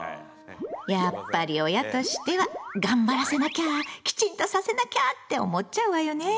やっぱり親としては頑張らせなきゃきちんとさせなきゃって思っちゃうわよね。